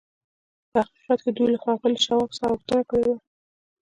په حقیقت کې دوی له ښاغلي شواب څخه غوښتنه کړې وه